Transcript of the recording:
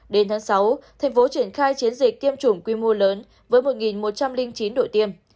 đến tháng sáu thành phố triển khai chiến dịch tiêm chủng quy mô lớn với một một trăm linh chín đội tiêm